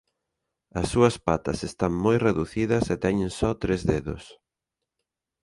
As súas patas están moi reducidas e teñen só tres dedos.